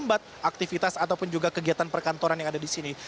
lambat aktivitas ataupun juga kegiatan perkantoran yang ada di sini